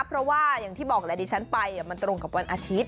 เพราะว่าอย่างที่บอกแหละดิฉันไปมันตรงกับวันอาทิตย